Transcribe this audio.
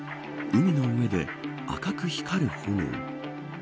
海の上で赤く光る炎。